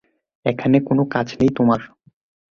এখানে কোনো কাজ নেই তোমার!